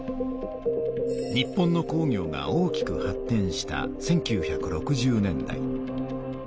日本の工業が大きく発てんした１９６０年代。